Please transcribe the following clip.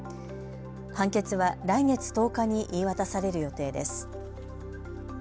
判決は来月１０日に言い渡される予定です。